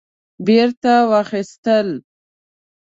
بیرته واخیستل